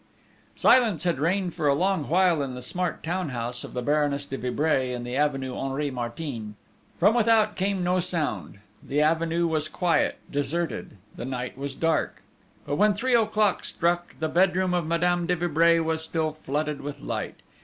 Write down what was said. Silence had reigned for a long while in the smart town house of the Baroness de Vibray in the Avenue Henri Martin.... From without came no sound; the avenue was quiet, deserted; the night was dark. But when three o'clock struck, the bedroom of Madame de Vibray was still flooded with light.